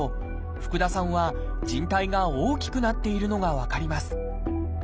福田さんはじん帯が大きくなっているのが分かります。